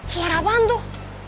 suara apaan tuh